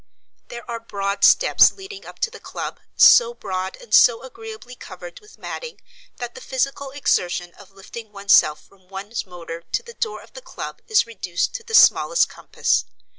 There are broad steps leading up to the club, so broad and so agreeably covered with matting that the physical exertion of lifting oneself from one's motor to the door of the club is reduced to the smallest compass.